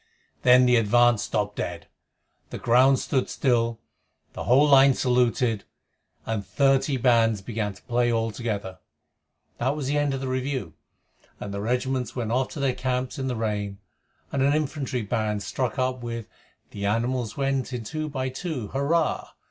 Then the advance stopped dead, the ground stood still, the whole line saluted, and thirty bands began to play all together. That was the end of the review, and the regiments went off to their camps in the rain, and an infantry band struck up with The animals went in two by two, Hurrah!